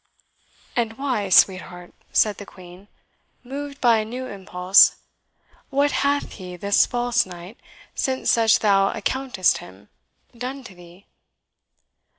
"And why, sweetheart?" said the Queen, moved by a new impulse; "what hath he, this false knight, since such thou accountest him, done to thee?"